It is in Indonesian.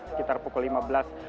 sekitar pukul lima belas